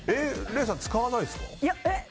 礼さん、使わないですか？